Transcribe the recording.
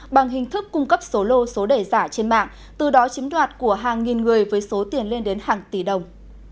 bằng hình thức cung cấp số lô số đề giả trên mạng từ đó chiếm đoạt của hàng nghìn người với số tiền lên đến hàng tỷ đồng